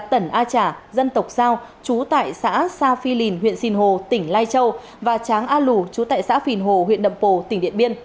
tẩn a trả dân tộc sao chú tại xã sa phi lìn huyện xìn hồ tỉnh lai châu và tráng a lù chú tại xã phìn hồ huyện đầm pồ tỉnh điện biên